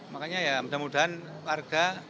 makanya ya mudah mudahan warga